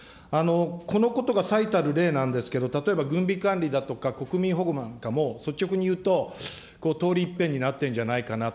このことが最たる例なんですけど、例えば軍備管理だとか国民保護なんかも、率直に言うと、通りいっぺんになってんじゃないかなと。